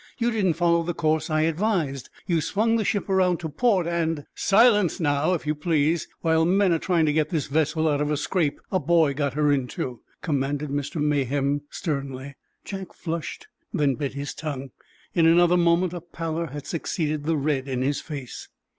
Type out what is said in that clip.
"You didn't follow the course I advised. You swung the ship around to port, and—" "Silence, now, if you please, while men are trying to get this vessel out of a scrape a boy got her into," commanded Mr. Mayhem, sternly. Jack flushed, then bit his tongue. In another moment a pallor had succeeded the red in his face.